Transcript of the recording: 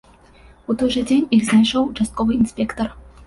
У той жа дзень іх знайшоў участковы інспектар.